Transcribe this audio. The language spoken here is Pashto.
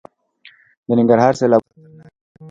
د ننګرهار سیلابونه خطرناک دي